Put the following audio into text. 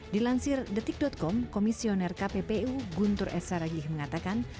di lansir detik com komisioner kppu guntur esaragih mengatakan